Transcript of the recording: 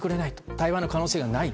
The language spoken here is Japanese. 対話の可能性がない。